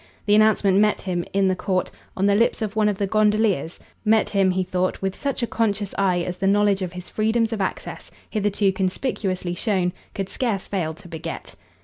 The announcement met him, in the court, on the lips of one of the gondoliers, met him, he thought, with such a conscious eye as the knowledge of his freedoms of access, hitherto conspicuously shown, could scarce fail to beget.